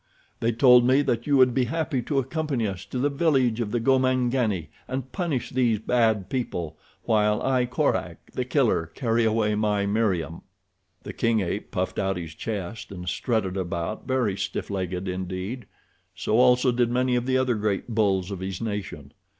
They told me that you would be happy to accompany us to the village of the Gomangani and punish these bad people while I, Korak, The Killer, carry away my Meriem." The king ape puffed out his chest and strutted about very stiff legged indeed. So also did many of the other great bulls of his nation.